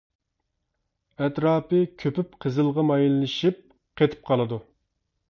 ئەتراپى كۆپۈپ قىزىلغا مايىللىشىپ قېتىپ قالىدۇ.